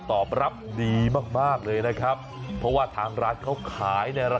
ตอบรับดีมากมากเลยนะครับเพราะว่าทางร้านเขาขายในระ